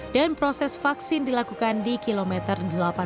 dan proses vaksin dilakukan di kilometer delapan belas